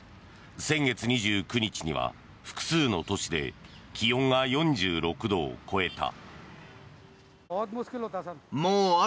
先月２９日には複数の都市で気温が４６度を超えた。